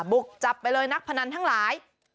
บุกจับไปเลยนักพนันทั้งหลาย